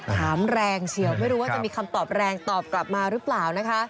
แรงเฉียวไม่รู้ว่าจะมีคำตอบแรงตอบกลับมาหรือเปล่านะคะ